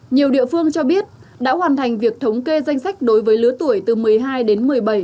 nhiều địa phương cho biết đã hoàn thành việc thống kê danh sách đối với lứa tuổi từ một mươi hai đến một mươi bảy